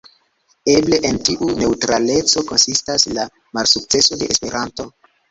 Eble en tiu neŭtraleco konsistas la malsukceso de Esperanto.